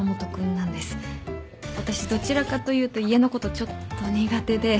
私どちらかというと家のことちょっと苦手で。